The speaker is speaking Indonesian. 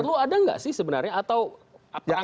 perlu ada nggak sih sebenarnya